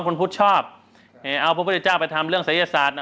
คนพุทธชอบเอาพระพุทธเจ้าไปทำเรื่องศัยศาสตร์นะ